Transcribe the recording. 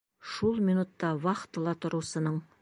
Шул минутта вахтала тороусының: